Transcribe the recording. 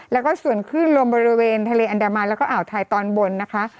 แล้วก็ส่วนขึ้นลมบริเวณทะเลอันดามันแล้วก็อ่าวไทยตอนบนนะคะ